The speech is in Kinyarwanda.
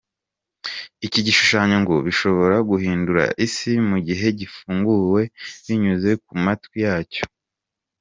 Iki gushushanyo ngo gishobora guhindura isi mu gihe gifunguwe binyuze ku matwi yacyo.